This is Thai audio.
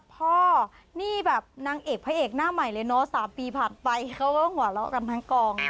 พ่อนี่แบบนางเอกพระเอกหน้าใหม่เลยเนอะ๓ปีผ่านไปเขาก็หัวเราะกันทั้งกอง